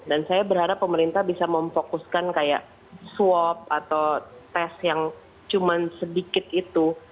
dan saya berharap pemerintah bisa memfokuskan kayak swab atau test yang cuman sedikit itu